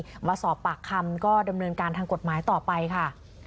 มาสอบปากคำก็ดำเนินการทางกฎหมายต่อไปค่ะ